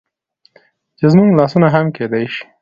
چې زموږ لاسونه هم کيدى شي